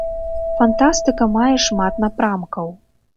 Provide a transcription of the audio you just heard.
Фантастыка мае шмат напрамкаў.